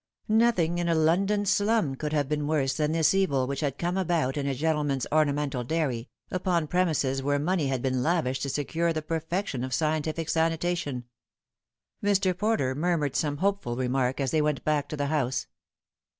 Nothing in a London slum could have been worse than this evil which had come about in a gentleman's ornamental dai^y, upon prenrises where money had been lavished to secure the perfection of scientific sanitation. Mr. Porter murmured some hopeful remark as they went back to the house.